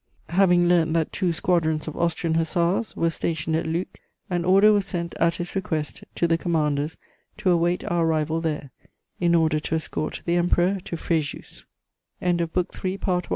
"Having learnt that two squadrons of Austrian hussars were stationed at Luc, an order was sent at his request to the commanders to await our arrival there, in order to escort the Emperor to Fréjus." Here ends Count Waldburg's na